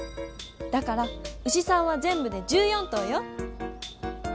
だから牛さんはぜんぶで１４頭よ。